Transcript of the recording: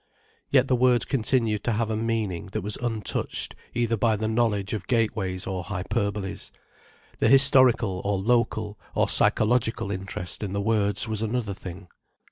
Yet the words continued to have a meaning that was untouched either by the knowledge of gateways or hyperboles. The historical, or local, or psychological interest in the words was another thing.